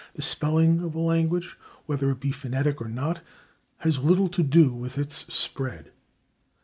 The spelling of a language, whether it be phonetic or not, has little to do with its spread.